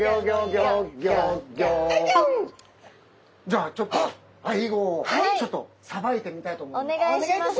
じゃあちょっとアイゴをさばいてみたいと思います。